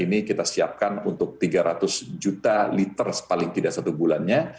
ini kita siapkan untuk tiga ratus juta liter paling tidak satu bulannya